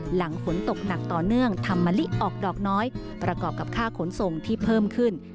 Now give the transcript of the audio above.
หลังฝนตกหนักต่อเนื่องทำมะลิออกดอกน้อยประกอบกับค่าขนส่งที่เพิ่มขึ้น